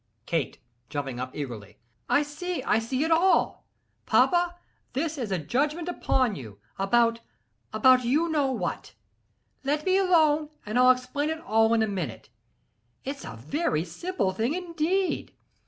KATE. (Jumping up eagerly.) "I see it—I see it all. Papa, this is a judgment upon you, about—about you know what. Let me alone, and I'll explain it all in a minute. It's a very simple thing, indeed.